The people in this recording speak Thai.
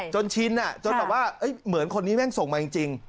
ชินจนแบบว่าเหมือนคนนี้แม่งส่งมาจริง